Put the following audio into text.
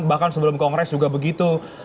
bahkan sebelum kongres juga begitu